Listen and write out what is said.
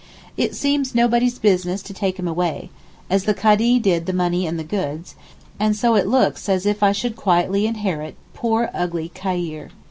It seems nobody's business to take him away—as the Kadee did the money and the goods—and so it looks as if I should quietly inherit poor ugly Khayr.